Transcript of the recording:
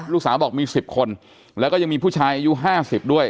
ลูกสาวบอกมี๑๐คนแล้วก็ยังมีผู้ชายอายุ๕๐ด้วย